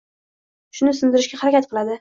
Shuni singdirishga harakat qiladi.